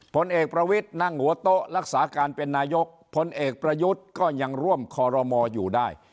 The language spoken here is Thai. ผลเอกประวิทย์นั่งหัวโต๊ะรักษาการเป็นนายกพลเอกประยุทธ์ก็ยังร่วมคอรมออยู่ได้